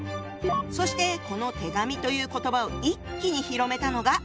そしてこの手紙という言葉を一気に広めたのが！